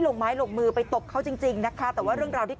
โรดเจ้าเจ้าเจ้าเจ้าเจ้าเจ้าเจ้าเจ้าเจ้าเจ้าเจ้าเจ้าเจ้าเจ้าเจ้า